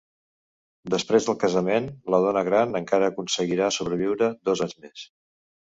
Després del casament, la dona gran encara aconseguirà sobreviure dos anys més.